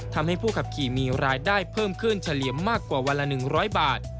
ทำให้ผู้ขับขี่มีรายได้เพิ่มขึ้นเฉลี่ยมากกว่าวันละ๑๐๐บาท